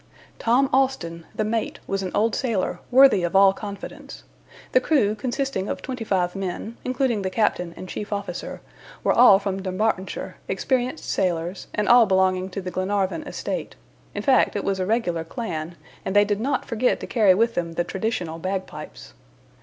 Tom Austin, the mate, was an old sailor, worthy of all confidence. The crew, consisting of twenty five men, including the captain and chief officer, were all from Dumbartonshire, experienced sailors, and all belonging to the Glenarvan estate; in fact, it was a regular clan, and they did not forget to carry with them the traditional bagpipes.